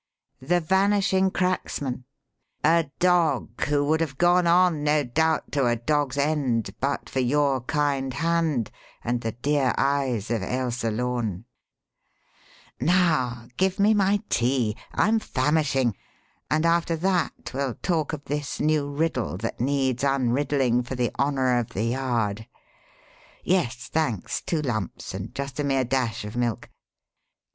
"The Vanishing Cracksman a dog who would have gone on, no doubt, to a dog's end but for your kind hand and the dear eyes of Ailsa Lorne. Now give me my tea I'm famishing and after that we'll talk of this new riddle that needs unriddling for the honour of the Yard. Yes, thanks, two lumps, and just a mere dash of milk.